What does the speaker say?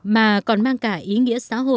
mà còn mang cả ý nghĩa xã hội và nhân văn